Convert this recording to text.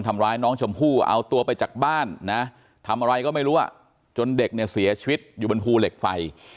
ทำอะไรก็ไม่รู้จนเด็กเนี่ยเสียชีวิตอยู่บนภูเหล็กไฟ